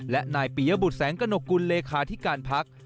และนายปียบุตรแสงกระหนกกุลเลขาธิการพัก